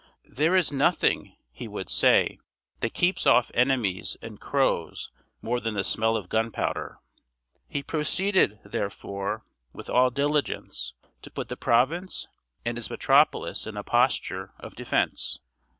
There is nothing, he would say, that keeps off enemies and crows more than the smell of gunpowder. He proceeded, therefore, with all diligence, to put the province and its metropolis in a posture of defence.